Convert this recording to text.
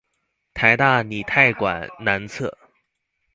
臺大凝態館南側